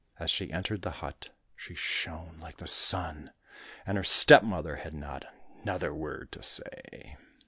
As she entered the hut she shone like the sun, and her stepmother had not another word to say.